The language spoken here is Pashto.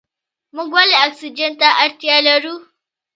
موږ ولې اکسیجن ته اړتیا لرو؟